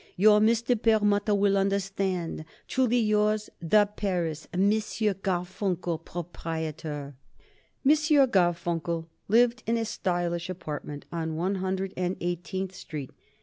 Your Mr. Perlmutter will understand. Truly yours, The Paris. M. Garfunkel, Prop." M. Garfunkel lived in a stylish apartment on One Hundred and Eighteenth Street.